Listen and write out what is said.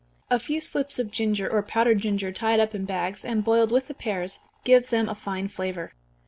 A few slips of ginger, or powdered ginger, tied up in bags, and boiled with the pears, gives them a fine flavor.